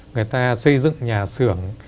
người ta xây dựng nhà xưởng